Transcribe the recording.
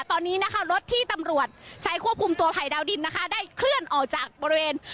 ตอนนี้นะคะรถที่ตำรวจใช้ควบคุมตัวภัยดาวดินนะคะได้เคลื่อนออกจากบริเวณ